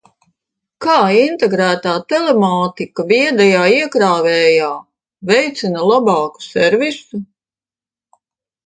Kā integrētā telemātika viedajā iekrāvējā veicina labāku servisu?